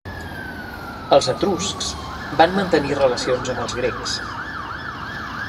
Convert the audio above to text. Els etruscs van mantenir relacions amb els grecs.